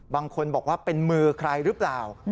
บางคนบอกว่าเป็นมือใครหรือเปล่า